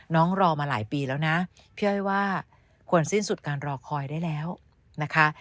รอมาหลายปีแล้วนะพี่อ้อยว่าควรสิ้นสุดการรอคอยได้แล้วนะคะ